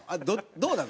どうなの？